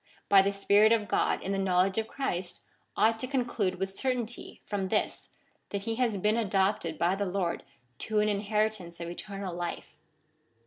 32) by the Spirit of God in the knowledge of Christ, ought to conclude with certainty from this that he has been adopted by the Lord to an inheritance of eternal life.